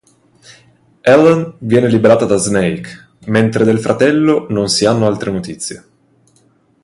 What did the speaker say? Ellen viene liberata da Snake, mentre del fratello non si hanno altre notizie.